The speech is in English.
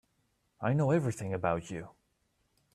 I know everything about you.